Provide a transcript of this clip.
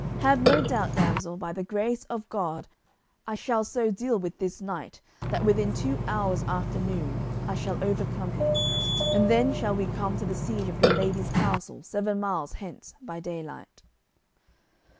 Have no doubt, damsel, by the grace of God I shall so deal with this knight that within two hours after noon I shall overcome him, and then shall we come to the siege of your lady's castle seven miles hence by daylight."